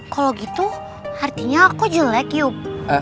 kalo gitu artinya aku jelek yuk